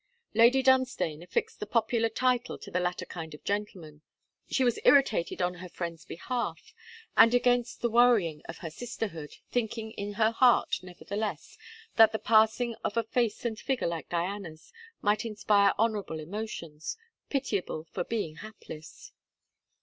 Lady Dunstane affixed the popular title to the latter kind of gentleman. She was irritated on her friend's behalf, and against the worrying of her sisterhood, thinking in her heart, nevertheless, that the passing of a face and figure like Diana's might inspire honourable emotions, pitiable for being hapless.